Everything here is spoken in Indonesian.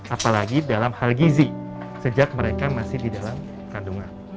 apalagi dalam hal gizi sejak mereka masih di dalam kandungan